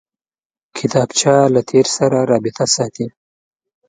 کتابچه له تېر سره رابطه ساتي